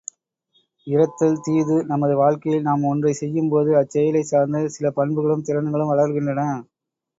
இரத்தல் தீது நமது வாழ்க்கையில் நாம் ஒன்றைச் செய்யும்போது அச்செயலைச் சார்ந்து சில பண்புகளும் திறன்களும் வளர்கின்றன.